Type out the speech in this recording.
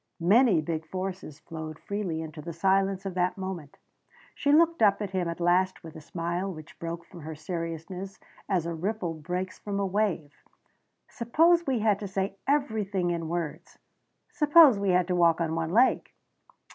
Many big forces flowed freely into the silence of that moment. She looked up at him at last with a smile which broke from her seriousness as a ripple breaks from a wave. "Suppose we had to say everything in words!" "Suppose we had to walk on one leg!"